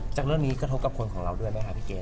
จากเรื่องนี้กระทบกับคนของเราด้วยไหมครับพี่เกด